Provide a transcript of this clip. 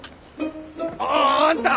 ああんた！